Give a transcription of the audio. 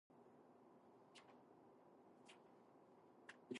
We have teams representing each grade, and there are prizes for the winners.